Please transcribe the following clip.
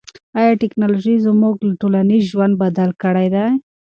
آیا ټیکنالوژي زموږ ټولنیز ژوند بدل کړی دی؟